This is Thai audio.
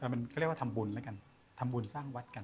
มันก็เรียกว่าทำบุญแล้วกันทำบุญสร้างวัดกัน